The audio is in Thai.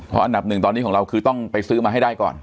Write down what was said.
เพราะอันดับหนึ่งตอนนี้ของเราคือต้องไปซื้อมาให้ได้ก่อน